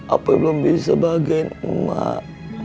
apoi belum bisa bagain emak